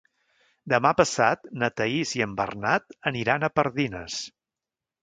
Demà passat na Thaís i en Bernat aniran a Pardines.